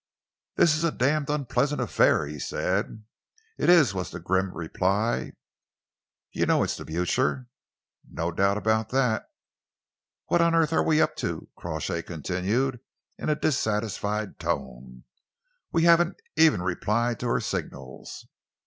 "This is a damned unpleasant affair," he said. "It is," was the grim reply. "You know it's the Blucher?" "No doubt about that." "What on earth are we up to?" Crawshay continued, in a dissatisfied tone. "We haven't even replied to her signals."